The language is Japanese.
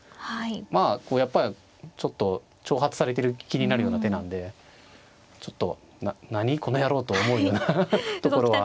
まあやっぱりちょっと挑発されてる気になるような手なんでちょっと何この野郎と思うようなところは。